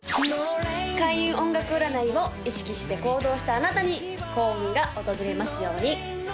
開運音楽占いを意識して行動したあなたに幸運が訪れますように！